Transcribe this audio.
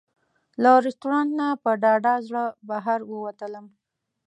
له رسټورانټ نه په ډاډه زړه بهر ووتلم.